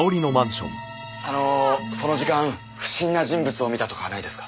あのその時間不審な人物を見たとかないですか？